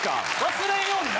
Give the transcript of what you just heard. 忘れんようにな。